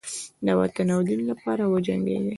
د وطن او دین لپاره وجنګیږي.